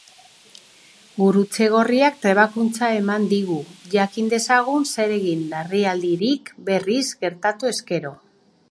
Gurutze Gorriak trebakuntza eman digu, jakin dezagun zer egin larrialdirik berriz gertatu ezkero.